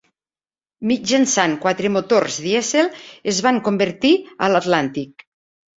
Mitjançant quatre motors dièsel es van convertir a l'Atlàntic.